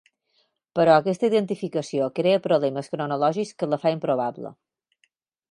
Però aquesta identificació crea problemes cronològics que la fa improbable.